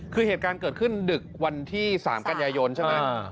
คือเหตุการณ์เกิดขึ้นดึกวันที่๓กันยายนใช่ไหม